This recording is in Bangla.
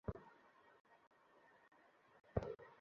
স্যার, আপনার ব্রেসলেটটা দেবেন?